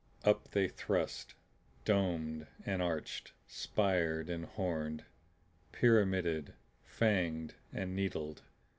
Up they thrust domed and arched, spired and horned, pyramided, fanged and needled.